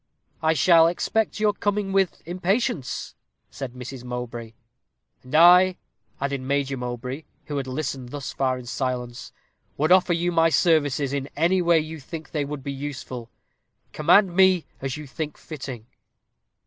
"I shall expect your coming with impatience," said Mrs. Mowbray. "And I," added Major Mowbray, who had listened thus far in silence, "would offer you my services in any way you think they would be useful. Command me as you think fitting."